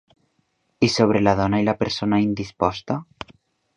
I sobre la dona i la persona indisposta?